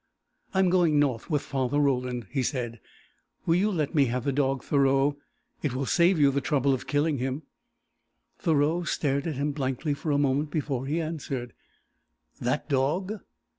"I am going north with Father Roland," he said. "Will you let me have the dog, Thoreau? It will save you the trouble of killing him." Thoreau stared at him blankly for a moment before he answered. "That dog?